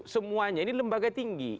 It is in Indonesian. semuanya ini lembaga tinggi